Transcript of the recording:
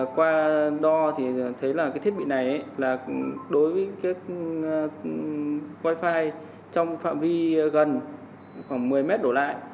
qua đo thì thấy là thiết bị này đối với wifi trong phạm vi gần khoảng một mươi m đổ lại